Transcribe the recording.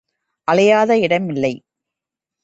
அலையாத இடம் இல்லை.